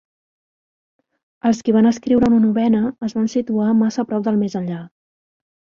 Els qui van escriure una Novena es van situar massa prop del més enllà.